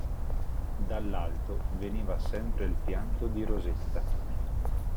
Dall'alto veniva sempre il pianto di Rosetta.